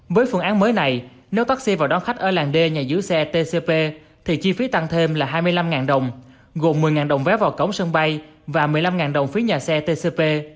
với phương án mới này nếu taxi vào đón khách ở làng d nhà giữ xe tcp thì chi phí tăng thêm là hai mươi năm đồng gồm một mươi đồng vé vào cổng sân bay và một mươi năm đồng phí nhà xe tcp